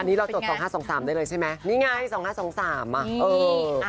อันนี้เราจดสองห้าสองสามได้เลยใช่ไหมนี่ไงสองห้าสองสามอ่ะเออ